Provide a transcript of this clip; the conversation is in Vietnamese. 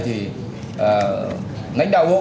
thì ngánh đạo hộ